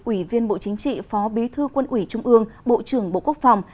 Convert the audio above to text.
ủy viên bộ chính trị phó bí thư quân ủy trung ương bộ trưởng bộ quốc phòng